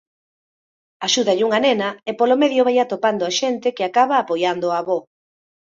Axúdalle unha nena e polo medio vai atopando xente que acaba apoiando o avó.